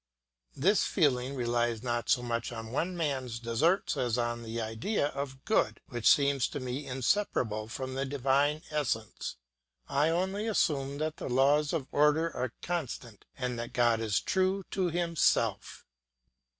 This feeling relies not so much on man's deserts as on the idea of good which seems to me inseparable from the divine essence. I only assume that the laws of order are constant and that God is true to himself.